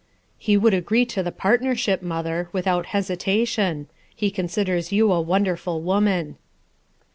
He would agree to the partnership, mother, without hesitation; he considers you a wonderful woman.